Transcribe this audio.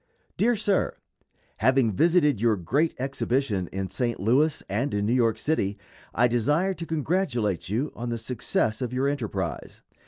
_ DEAR SIR: Having visited your great exhibition in St. Louis and in New York City, I desire to congratulate you on the success of your enterprise.